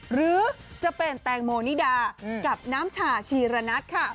หรือจะเป็นแตงโมนิดากับน้ำชาชีระนัทค่ะ